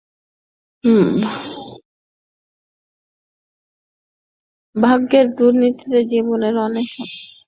ভাগ্যের দূর্বিপানে জীবনের অন্বেষায় অলৌকিকভাবে বিদেশে পাড়ি দেওয়ার সৌভাগ্য হয়ে যায়।